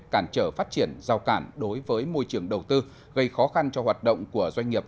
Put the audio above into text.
cản trở phát triển giao cản đối với môi trường đầu tư gây khó khăn cho hoạt động của doanh nghiệp